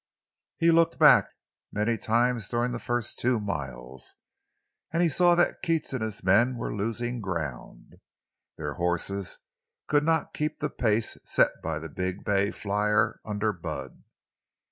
Bud looked back many times during the first two miles, and he saw that Keats and his men were losing ground; their horses could not keep the pace set by the big bay flier under Bud.